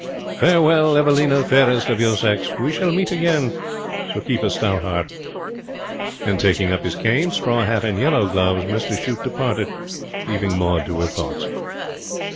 'Farewell, Evelina, fairest of your sex. We shall meet again; so keep a stout heart.' And, taking up his cane, straw hat, and yellow gloves, Mr Shute departed, leaving Maud to her thoughts.